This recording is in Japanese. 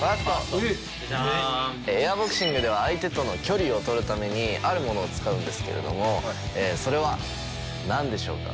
エアボクシングでは相手との距離を取るためにあるものを使うんですけれどもそれは何でしょうか？